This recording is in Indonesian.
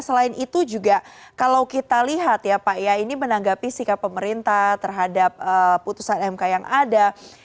selain itu juga kalau kita lihat ya pak ya ini menanggapi sikap pemerintah terhadap putusan mk yang ada